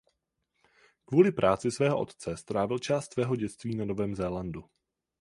Kvůli práci svého otce strávil část svého dětství na Novém Zélandu.